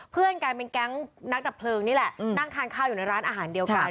กลายเป็นแก๊งนักดับเพลิงนี่แหละนั่งทานข้าวอยู่ในร้านอาหารเดียวกัน